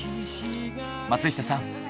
松下さん